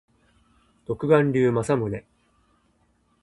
独眼竜政宗